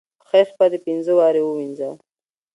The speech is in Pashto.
خۍ خپه دې پينزه وارې ووينزه.